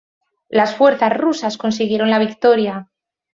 Las fuerzas rusas consiguieron la victoria.